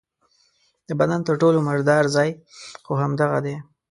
د بدن تر ټولو مردار ځای خو همدغه دی.